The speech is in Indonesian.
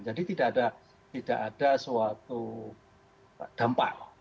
jadi tidak ada suatu dampak